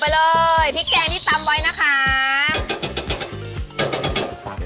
ไปเลยพริกแกงที่ตำไว้นะคะ